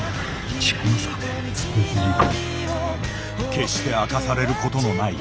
決して明かされることのない攻防。